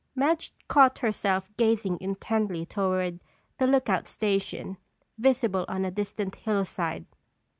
Madge caught herself gazing intently toward the lookout station visible on a distant hillside.